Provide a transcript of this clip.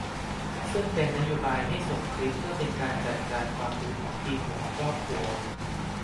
ซึ่งเป็นนโยบายให้ส่งคลิปเพื่อเป็นการจัดการความรู้ของทีมหมอครอบครัว